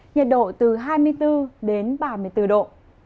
nhiệt độ từ hai mươi bốn đến ba mươi bốn độ